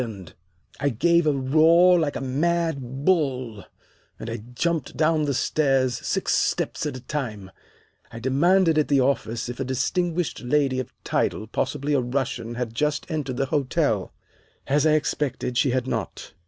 [Illustration: 11 I threw out everything on the bed] "I gave a roar like a mad bull, and I jumped down the stairs six steps at a time. "I demanded at the office if a distinguished lady of title, possibly a Russian, had just entered the hotel. "As I expected, she had not.